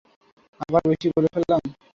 আবার বেশি বলে ফেললাম।